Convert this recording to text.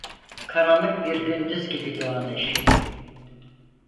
Karanlık bir gündüz gibi doğan eşi: